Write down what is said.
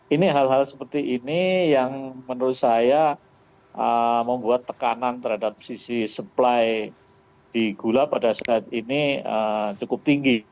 ini hal hal seperti ini yang menurut saya membuat tekanan terhadap sisi supply di gula pada saat ini cukup tinggi